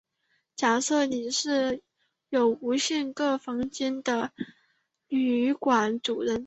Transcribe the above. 假设你是有无限个房间的旅馆主人。